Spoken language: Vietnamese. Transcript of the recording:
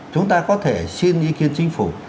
chúng ta có thể xin ý kiến chính phủ